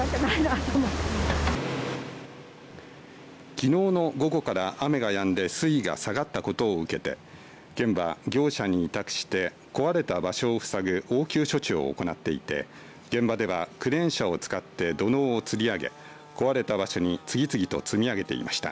きのうの午後から雨がやんで水位が下がったことを受けて県は業者に委託して壊れた場所をふさぐ応急処置を行っていて現場ではクレーン車を使って土のうをつり上げ壊れた場所に次々と積み上げていました。